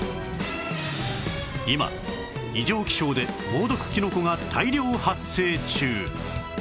今異常気象で猛毒キノコが大量発生中